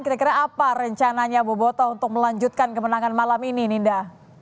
kira kira apa rencananya boboto untuk melanjutkan kemenangan malam ini ninda